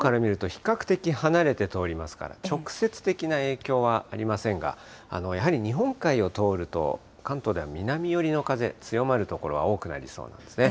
関東から見ると比較的離れて通りますから、直接的な影響はありませんが、やはり日本海を通ると、関東では南寄りの風、強まる所は多くなりそうなんですね。